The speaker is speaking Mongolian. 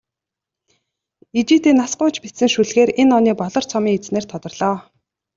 Ижийдээ нас гуйж бичсэн шүлгээр энэ оны "Болор цом"-ын эзнээр тодорлоо.